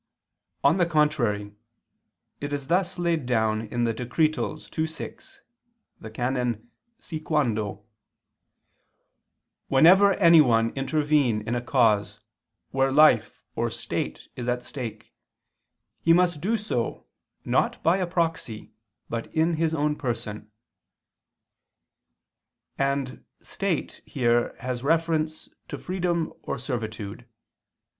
On the contrary, It is thus laid down in the Decretals (II, qu. vi, can. Si Quando): "Whenever anyone intervene in a cause where life or state is at stake he must do so, not by a proxy, but in his own person"; and "state" here has reference to freedom or servitude.